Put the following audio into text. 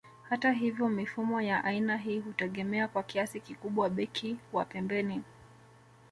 Hata hivyo mifumo ya aina hii hutegemea kwa kiasi kikubwa beki wa pembeni